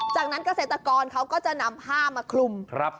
จากนั้นเกษตรกรเขาก็จะนำผ้ามาคลุม